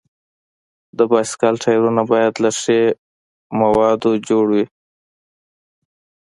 د بایسکل ټایرونه باید له ښي موادو جوړ وي.